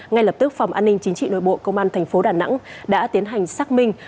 ngay lập tức phòng an ninh chính trị nội bộ công an thành phố đà nẵng đã tiến hành xác minh